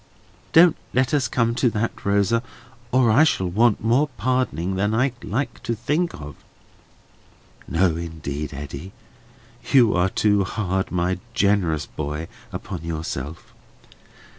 "Don't let us come to that, Rosa; or I shall want more pardoning than I like to think of." "No, indeed, Eddy; you are too hard, my generous boy, upon yourself.